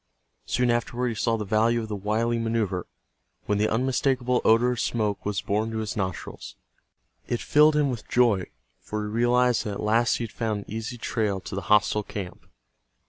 Soon afterward he saw the value of the wily maneuver, when the unmistakable odor of smoke was borne to his nostrils. It filled him with joy, for he realized that at last he had found an easy trail to the hostile camp.